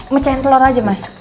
mecahin telur aja mas